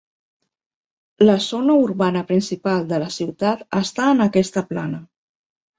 La zona urbana principal de la ciutat està en aquesta plana.